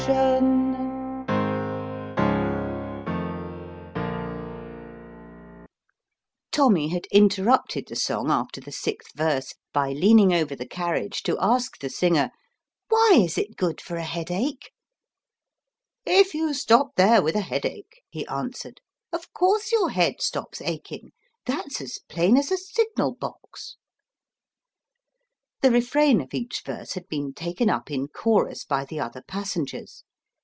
Old Book on Etiquette. 26 The train disregards the red signal, Tommy had interrupted the song after the sixth verse by leaning over the carriage to ask the singer, " Why is it good for a headache ?" "If you stop there with a headache," he answered, "of course your head stops aching; that's as plain as a signal box." The refrain of each verse had been taken up in chorus by the other passengers.